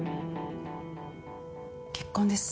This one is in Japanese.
結婚です。